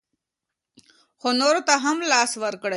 خو نورو ته هم لاس ورکړئ.